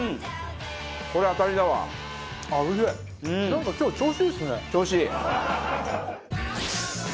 なんか今日調子いいですね。